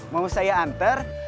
mau saya anter